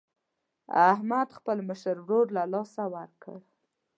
احمد خپل مشر ورور له لاسه ورکړ.